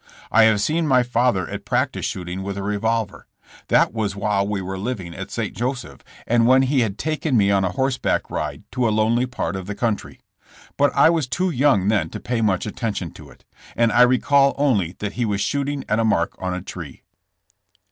I have seen my father at practice shooting with a revolver. That was while we were living at St. Joseph and when he had taken me on a horseback ride to a lonely part of the country. But I was too young then to pay much attention to it, and I recall only that he was shooting at a mark on a tree.